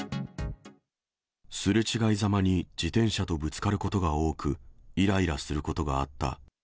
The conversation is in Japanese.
すれ違いざまに自転車とぶつかることが多く、いらいらすることがあった。